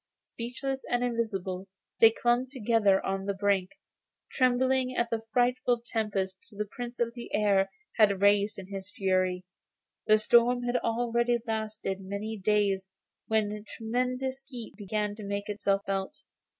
Speechless and invisible they clung together on the brink, trembling at the frightful tempest the Prince of the Air had raised in his fury. The storm had already lasted many days when tremendous heat began to make itself felt.